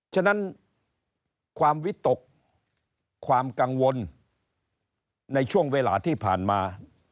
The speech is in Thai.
ฉะนั้นความวิตกความกังวลในช่วงเวลาที่ผ่านมา